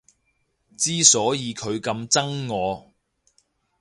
之所以佢咁憎我